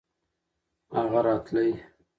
هغه راتلی .